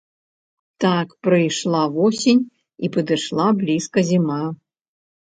Так прыйшла восень і падышла блізка зіма.